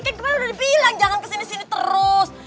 kayaknya udah dibilang jangan kesini sini terus